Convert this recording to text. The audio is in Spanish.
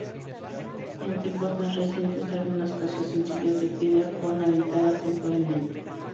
En tiempos más recientes algunas casas sencillas de piedra fueron habitadas temporalmente.